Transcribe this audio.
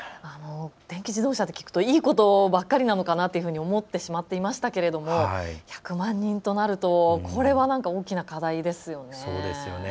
電気自動車と聞くといいことばかりなのかなと思ってしまっていましたけれども１００万人となるとこれは大きな課題ですよね。